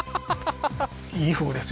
いい河豚ですよ